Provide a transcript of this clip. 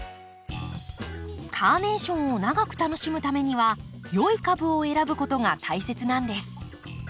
カーネーションを長く楽しむためには良い株を選ぶことが大切なんです。